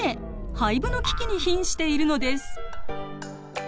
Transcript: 廃部の危機にひんしているのです。